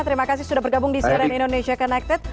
terima kasih sudah bergabung di cnn indonesia connected